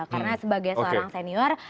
karena sebagai seorang senior